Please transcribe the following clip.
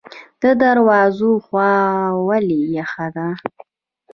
د درواز هوا ولې یخه ده؟